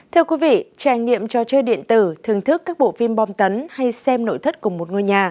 thưa quý vị trải nghiệm trò chơi điện tử thưởng thức các bộ phim bom tấn hay xem nội thất cùng một ngôi nhà